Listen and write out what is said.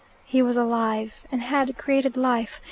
He was alive and had created life.